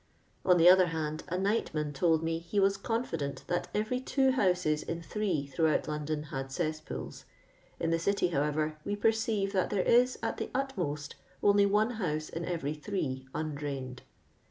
On the other hand, a nightman told me he was confident that every two houses in three throughout London had cesspools; in the City, liowever, we perceive that there is, at the ut most, only one house in every three undrained.